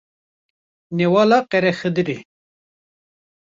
Newala Qerexidirê